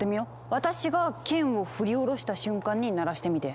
私が剣を振り下ろした瞬間に鳴らしてみて！